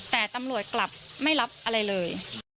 แต่ตำรวจกลับไม่รับอะไรเลย